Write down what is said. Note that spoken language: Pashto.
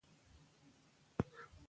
د ځوانانو استعدادونه وپېژنئ.